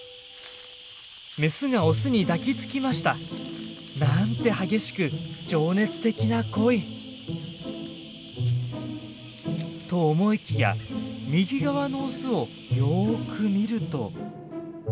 メスがオスに抱きつきました！なんて激しく情熱的な恋！と思いきや右側のオスをよく見ると。